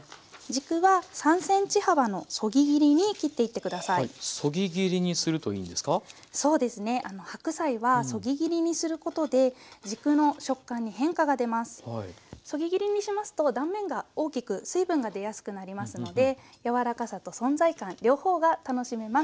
そぎ切りにしますと断面が大きく水分が出やすくなりますので柔らかさと存在感両方が楽しめます。